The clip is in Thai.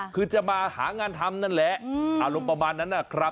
คือจะมาหางานทำนั่นแหละอารมณ์ประมาณนั้นนะครับ